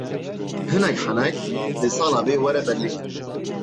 Hinek Henek dê sala bê were Berlînê.